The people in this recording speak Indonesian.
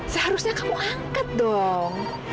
seharusnya kamu angkat dong